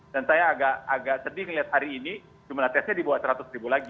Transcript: dan saya agak sedih melihat hari ini jumlah tesnya di bawah seratus ribu lagi